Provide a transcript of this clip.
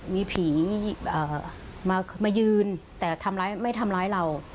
มีผีมายืนแต่ทำร้ายไม่ทำร้ายเรา